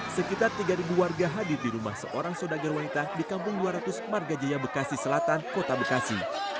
sekitar tiga warga hadir di rumah seorang saudagar wanita di kampung dua ratus marga jaya bekasi selatan kota bekasi